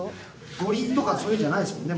５厘とかそういうんじゃないですもんね。